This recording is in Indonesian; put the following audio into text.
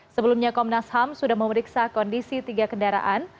sebelumnya komnas ham sudah memeriksa kondisi tiga kendaraan